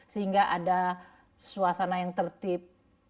sehingga ada suasana yang tertib